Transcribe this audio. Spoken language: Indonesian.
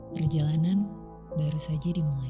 perjalanan baru saja dimulai